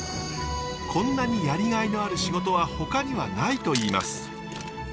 こんなにやりがいのある仕事はほかにはないといいます。